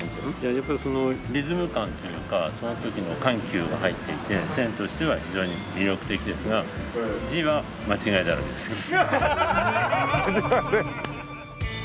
やっぱりそのリズム感というかその時の緩急が入っていて線としては非常に魅力的ですが字は間違いだらけですよ。